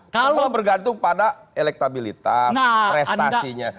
kalau bergantung pada elektabilitas prestasinya